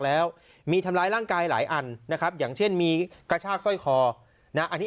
แล้วมีทำร้ายร่างกายหลายอันนะครับอย่างเช่นมีกระชากสร้อยคอนะอันนี้